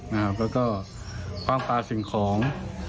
แล้วก็คว่างปลาสิ่งของ